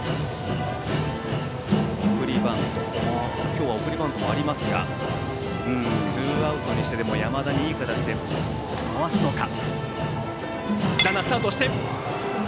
今日は送りバントもありますがツーアウトにしてでも山田にいい形でまわすのか。